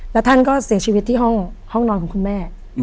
แล้วท่านก็เสียชีวิตที่ห้องนอนของคุณแม่